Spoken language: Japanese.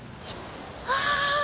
ああ